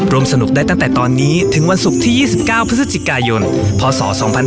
สนุกได้ตั้งแต่ตอนนี้ถึงวันศุกร์ที่๒๙พฤศจิกายนพศ๒๕๕๙